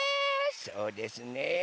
そうですね。